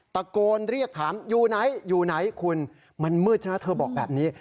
ตะโกนเรียกถามอยู่ไหนอยู่ไหนคุณมันมืดใช่ไหมเธอบอกแบบนี้